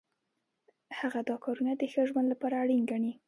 هغه دا کارونه د ښه ژوند لپاره اړین ګڼي.